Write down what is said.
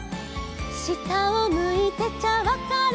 「したをむいてちゃわからない」